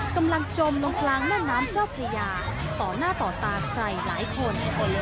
กำลังจมลงกลางหน้าน้ำเจ้าพระยาต่อหน้าต่อตาใหม่หลายคน